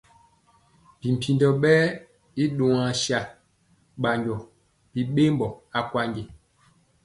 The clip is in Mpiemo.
Bimpinɔ wɛ i ɗɔŋa saa ɓanjɔ bimbembɔ akwandi.